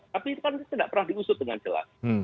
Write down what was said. tapi itu kan tidak pernah diusut dengan jelas